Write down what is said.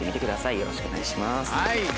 よろしくお願いします。